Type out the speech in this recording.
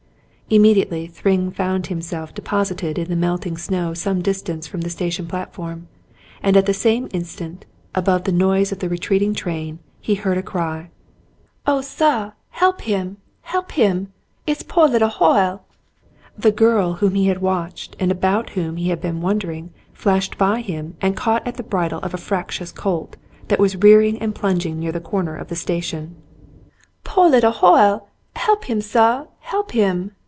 Immediately Thryng found himself deposited in the melting snow some distance from the station platform, and at the same instant, above the noise of the retreating train, he heard a cry : *'0h, suh, help him, help him ! It's poor little Hoyle !" The girl whom he had watched, and about whom he had been wondering, flashed by him and caught at the bridle of a fractious colt, that was rearing and plunging near the corner of the station. "Poor little Hoyle! Help him, suh, help him!"